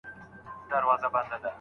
بازاريان به قيمتونه وايي.